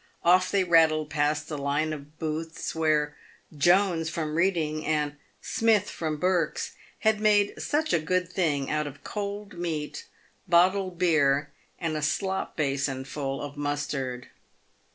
Off they rattled past the line of booths where "Jones, from Beading," and "Smith, from Berks," had made such a good thing out of cold meat, bottled beer, 224 PAVED WITH GOLD. and a slop basinful of mustard.